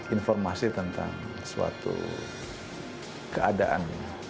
informasi tentang suatu keadaan